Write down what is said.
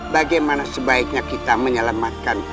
bagaimana sebaiknya kita menyelamatkan